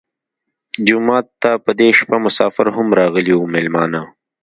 جومات ته په دې شپه مسافر هم راغلي وو مېلمانه.